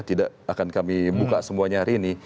tidak akan kami buka semuanya hari ini